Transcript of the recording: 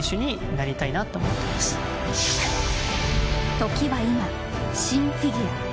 時は今、シン・フィギュア。